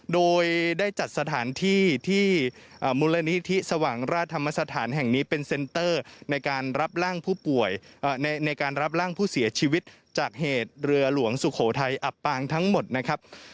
โดยได้จัดสถานที่ที่มูลนิธิสว่างราชธรรมสถานแห่งนี้เป็นเซ็นเตอร์ในการรับร่างผู้ป่วยในการรับร่างผู้เสียชีวิตจากเหตุเรือหลวงสุโขทัยอับปางทั้งหมดนะครับ